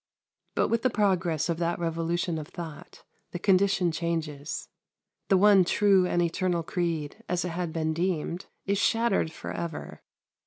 But with the progress of that revolution of thought the condition changes. The one true and eternal creed, as it had been deemed, is shattered for ever.